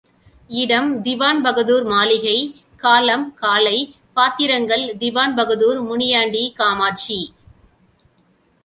இடம் திவான்பகதூர் மாளிகை காலம் காலை பாத்திரங்கள் திவான்பகதூர், முனியாண்டி, காமாட்சி.